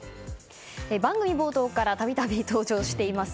番組冒頭からたびたび登場しています